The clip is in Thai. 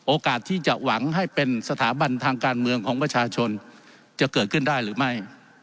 โอกาสที่จะหวังให้เป็นสถาบันทางการเมืองของประชาชนจะเกิดขึ้นได้หรือไม่